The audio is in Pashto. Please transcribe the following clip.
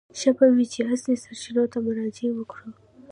ښه به وي چې اصلي سرچینو ته مراجعه وکړو.